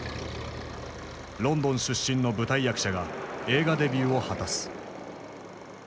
ロンドン出身の舞台役者が映画デビューを果たす。